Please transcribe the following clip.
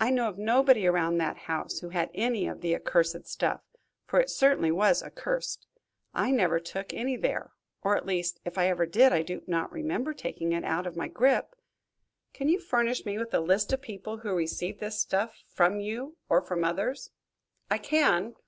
"I know of nobody around that house who had any of the accursed stuff, for it certainly was accursed. I never took any there or, at least, if I ever did, I do not remember taking it out of my grip." "Can you furnish me with a list of people who received this stuff from you or from others?" "I can.